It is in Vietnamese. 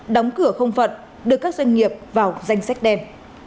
đóng cửa không phận đưa các doanh nghiệp vào danh sách đen